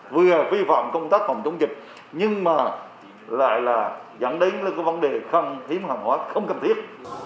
vừa vi phạm công tác phòng chống dịch nhưng mà lại là dẫn đến vấn đề không thiếu hàng hóa không cần thiết